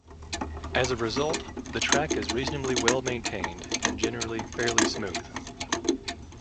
As a result, the track is reasonably well maintained and generally fairly smooth.